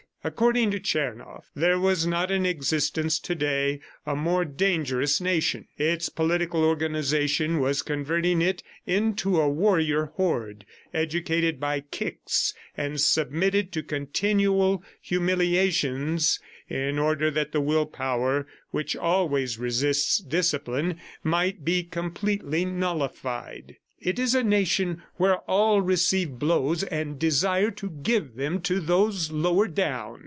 According to Tchernoff, there was not in existence to day a more dangerous nation. Its political organization was converting it into a warrior horde, educated by kicks and submitted to continual humiliations in order that the willpower which always resists discipline might be completely nullified. "It is a nation where all receive blows and desire to give them to those lower down.